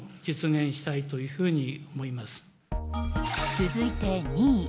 続いて２位。